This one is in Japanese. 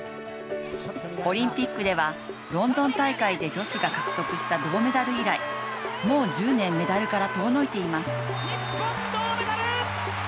オリンピックでは、ロンドン大会で女子が獲得した銅メダル以来、もう１０年、メダルから遠のいています。